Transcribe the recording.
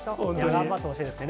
頑張ってほしいですね。